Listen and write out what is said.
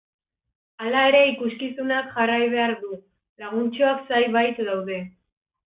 Hala ere ikuskizunak jarrai behar du, laguntxoak zai bait daude.